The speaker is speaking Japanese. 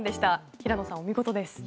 平野さんお見事です。